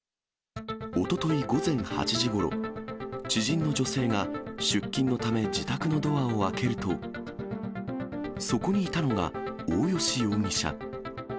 おととい午前８時ごろ、知人の女性が出勤のため、自宅のドアを開けると、そこにいたのが大吉容疑者。